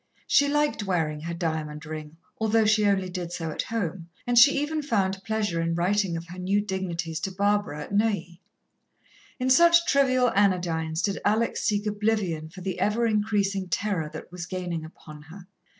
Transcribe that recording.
She liked wearing her diamond ring, although she only did so at home, and she even found pleasure in writing of her new dignities to Barbara at Neuilly. In such trivial anodynes did Alex seek oblivion for the ever increasing terror that was gaining upon her.